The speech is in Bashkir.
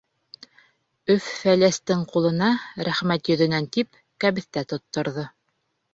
Өф-Фәләстең ҡулына, рәхмәт йөҙөнән тип, кәбеҫтә тотторҙо.